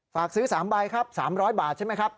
ฝากซื้อ๓ใบครับ๓๐๐บาทใช่ไหมครับ